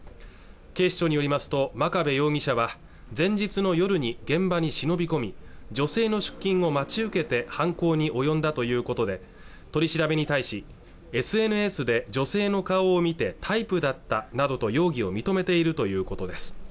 警視庁によりますと真壁容疑者は前日の夜に現場に忍び込み女性の出勤を待ち受けて犯行に及んだということで取り調べに対しＳＮＳで女性の顔を見てタイプだったなどと容疑を認めているということです